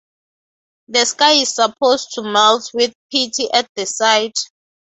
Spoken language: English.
The sky is supposed to melt with pity at the sight.